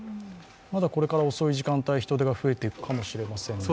まだこれから遅い時間帯人出が増えていくかもしれませんが。